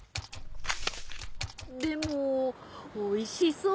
でもおいしそう。